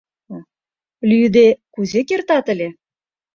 Лӱйыде кузе кертат ыле?